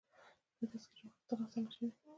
د تذکرو اخیستل اسانه شوي؟